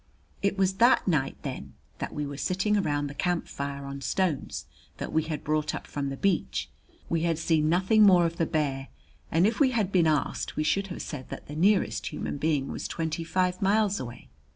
It was that night, then, that we were sitting round the camp fire on stones that we had brought up from the beach. We had seen nothing more of the bear, and if we had been asked we should have said that the nearest human being was twenty five miles away.